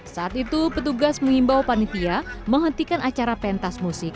saat itu petugas mengimbau panitia menghentikan acara pentas musik